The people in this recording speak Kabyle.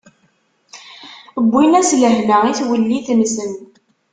Wwin-as lehna i twellit-nsen.